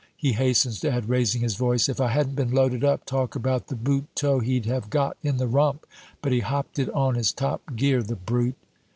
he hastens to add, raising his voice, "if I hadn't been loaded up, talk about the boot toe he'd have got in the rump! But he hopped it on his top gear, the brute!"